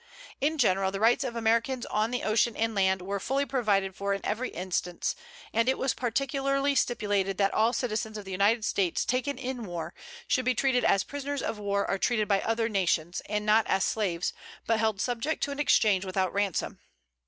In general, the rights of Americans on the ocean and land, were fully provided for in every instance, and it was particularly stipulated that all citizens of the United States taken in war, should be treated as prisoners of war are treated by other nations, and not as slaves, but held subject to an exchange without ransom.